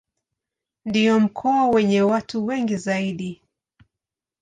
Ndio mkoa wenye watu wengi zaidi.